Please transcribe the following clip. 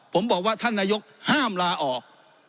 ผมบอกว่าท่านนายกห้ามลาออก